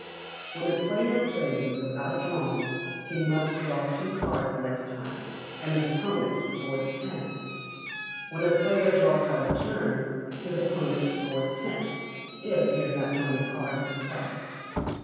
When a player plays without drawing, he must draw two cards next time, and his opponent scores ten. When a player draws out of turn, his opponent scores ten, if he has not drawn a card himself.